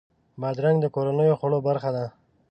بادرنګ د کورنیو خوړو برخه ده.